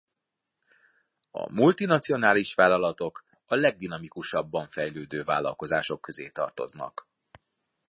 A multinacionális vállalatok a legdinamikusabban fejlődő vállalkozások közé tartoznak.